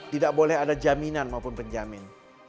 tidak boleh ada jaminan maupun penjamin